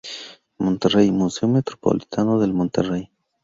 Monterrey: Museo Metropolitano del Monterrey.